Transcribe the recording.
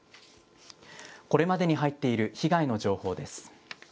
これまでに入っている被害の情報です。